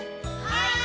はい！